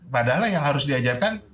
padahal yang harus diajarkan